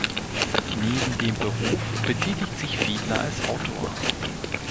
Neben dem Beruf betätigt sich Fiedler als Autor.